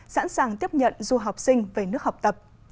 sẵn sàng tiếp nhận du học sinh về nước học tập